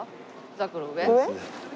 ざくろ上？